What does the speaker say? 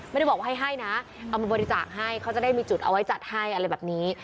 ไม่ได้บอกว่าให้ให้นะเอามาบริจาคให้เขาจะได้มีจุดเอาไว้จัดให้อะไรแบบนี้